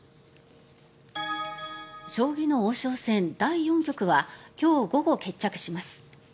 将棋の王将戦第４局は今日午後、決着します。